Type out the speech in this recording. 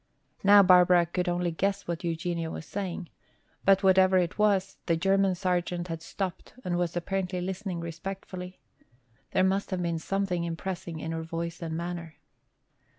Now Barbara could only guess what Eugenia was saying. But whatever it was, the German sergeant had stopped and was apparently listening respectfully. There must have been something impressive in her voice and manner.